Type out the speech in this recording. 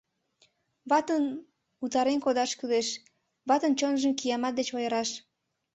Ватым утарен кодаш кӱлеш, ватын чонжым киямат деч ойыраш.